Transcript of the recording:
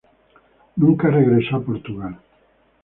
Nunca regresó a Portugal.